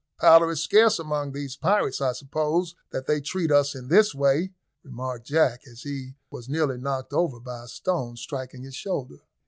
"Powder is scarce among the pirates, I suppose, that they treat us in this way," remarked Jack, as he was nearly knocked over by a stone striking his shoulder.